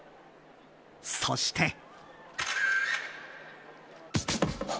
そして。